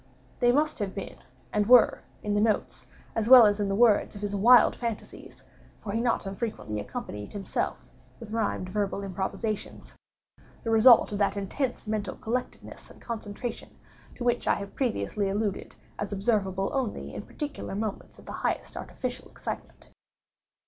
They must have been, and were, in the notes, as well as in the words of his wild fantasias (for he not unfrequently accompanied himself with rhymed verbal improvisations), the result of that intense mental collectedness and concentration to which I have previously alluded as observable only in particular moments of the highest artificial excitement.